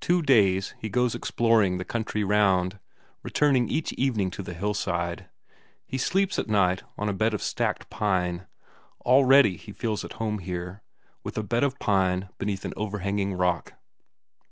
Two days he goes exploring the country round, returning each evening to the hillside. He sleeps at night on a bed of stacked pine; already he feels at home here, with a bed of pine beneath an overhanging rock.